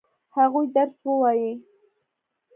هغوی درس ووايه؟